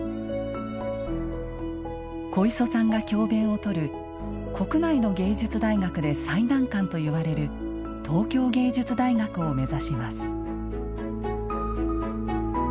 小磯さんが教鞭をとる国内の芸術大学で最難関といわれる東京藝術大学を目指します。